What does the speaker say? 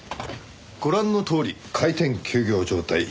ご覧のとおり開店休業状態暇ですから。